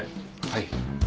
はい。